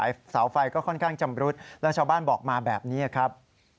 ที่สายสาวไฟก็ค่อนข้างจำรุดน่ะชาวบ้านบอกมาแบบนี้ครับ